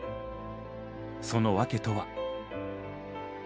その訳とは？